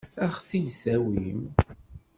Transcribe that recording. Ad ɣ-t-id-tawi?